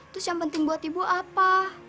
terus yang penting buat ibu apa